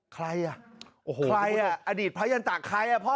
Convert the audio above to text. ใครอ่ะอดีตพระยันตราใครอ่ะพ่อ